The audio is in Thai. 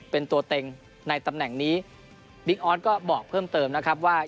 เป็นตัวเต็งในตำแหน่งนี้บิ๊กออสก็บอกเพิ่มเติมนะครับว่า